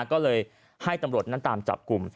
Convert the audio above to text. ก็เลยให้ตำรวจนั้นตามจับกลุ่ม